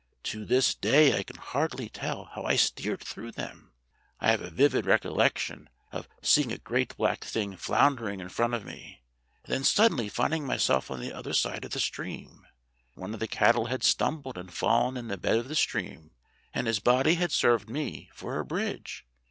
To this day I can hardly tell how I steered through them. I have a vivid recollec tion of seeing a great black thing floundering in front of me, and then suddenly finding myself on the other side of the stream one of the cattle had stumbled and fallen in the bed of the stream and his body had served me for a bridge.